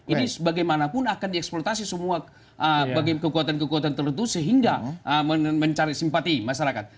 ini bagaimanapun akan dieksploitasi semua kekuatan kekuatan tertentu sehingga mencari simpati masyarakat